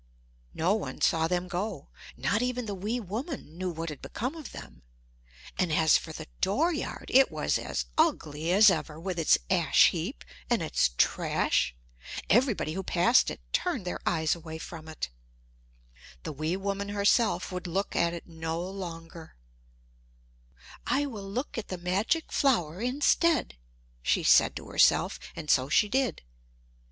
No one saw them go, not even the wee woman knew what had become of them; and as for the dooryard, it was as ugly as ever with its ash heap and its trash. Everybody who passed it turned their eyes away from it. [Illustration: WHILE SHE WAS WATCHING AND WAITING, THE FLOWER BURST INTO BLOOM.] The wee woman herself would look at it no longer. "I will look at the magic flower instead," she said to herself, and so she did.